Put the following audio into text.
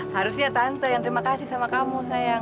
harusnya tante yang terima kasih sama kamu sayang